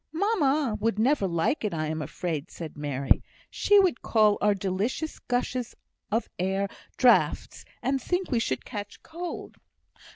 "Mamma would never like it, I am afraid," said Mary. "She would call our delicious gushes of air, draughts, and think we should catch cold."